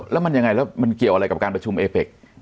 แล้วมันยังไงแล้วมันเกี่ยวอะไรกับการประชุมเอเป็ก